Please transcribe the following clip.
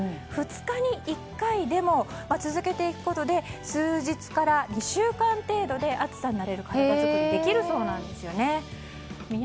２日に１回でも続けていくことで数日から２週間程度で暑さに慣れる体作りができるそうです。